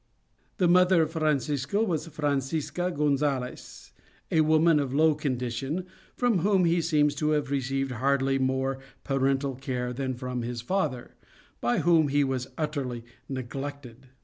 The mother of Francisco was Francisca Gonzales, a woman of low condition, from whom he seems to have received hardly more parental care than from his father, by whom he was utterly neglected.